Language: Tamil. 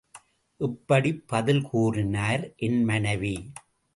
இப்படிப் பதில் கூறினார் என் மனைவி.